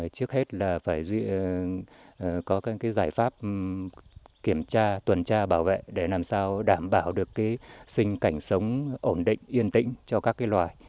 trước hết là phải có các giải pháp kiểm tra tuần tra bảo vệ để làm sao đảm bảo được sinh cảnh sống ổn định yên tĩnh cho các loài